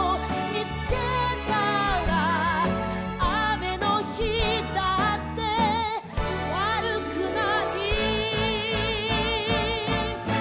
「雨の日だってわるくない」